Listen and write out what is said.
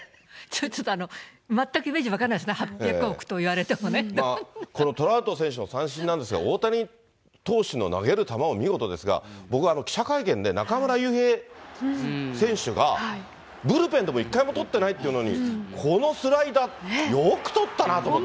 ちょっと全くイメージ湧かないですね、８００億と言われてもこのトラウト選手の三振なんですが、大谷投手の投げる球も見事ですが、僕、記者会見で中村悠平選手が、ブルペンでも一回も取ってないというのに、このスライダー、よく捕ったなと思って。